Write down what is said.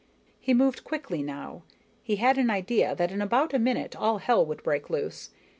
He moved quickly now, he had an idea that in about a minute all hell would break loose.